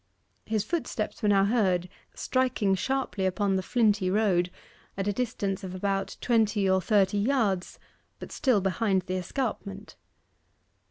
His footsteps were now heard striking sharply upon the flinty road at a distance of about twenty or thirty yards, but still behind the escarpment.